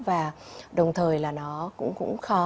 và đồng thời là nó cũng khó